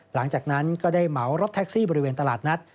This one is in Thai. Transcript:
หลังจากนั้นก็ได้เหมารถแท็กซี่บริเวณตลาดนัด